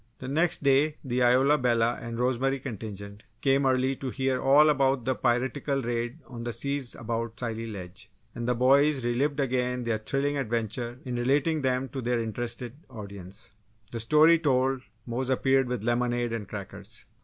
The next day, the Isola Bella and Rosemary contingent came early to hear all about the piratical raid on the seas about Scilly Ledge; and the boys relived again their thrilling adventures in relating them to their interested audience. The story told, Mose appeared with lemonade and crackers.